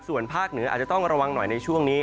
ส่วนภาคเหนืออาจจะต้องระวังหน่อยในช่วงนี้